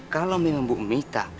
kalau memang bu mita